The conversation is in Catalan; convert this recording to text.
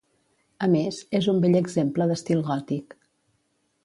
A més, és un bell exemple d'estil gòtic.